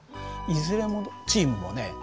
いずれのチームもね